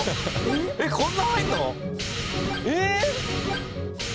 えっこんなに入るの？